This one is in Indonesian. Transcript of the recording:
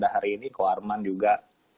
hari ini ko arman juga